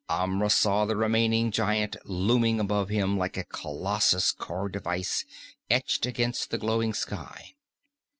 Amra saw the remaining giant looming above him like a colossus carved of ice, etched against the glowing sky.